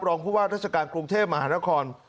รองผู้ว่าราชการกรุงเทพมหานคร